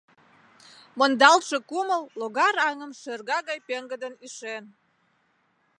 Мондалтше кумыл логар аҥым шӧрга гай пеҥгыдын ишен.